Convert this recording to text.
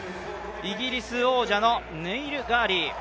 イギリス王者のネイル・ガーリー。